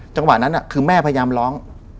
จังหวะนั้นคือแม่พยายามร้อง